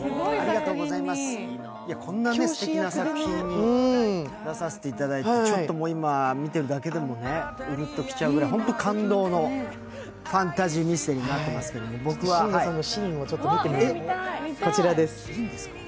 こんなすてきな作品に出させていただいて、今、見ているだけでもうるっときちゃうくらい感動のファンタジーミステリーになっていますけれども、慎吾さんのシーンを見てみましょう、こちらです。